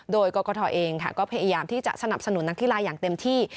โดยกรกฐเองก็พยายามที่จะสนับสนุนนักกีฬาอย่างเต็มที่